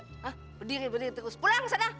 hah berdiri berdiri terus pulang sana